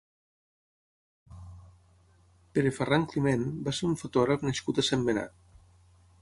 Pere Farran Climent va ser un fotògraf nascut a Sentmenat.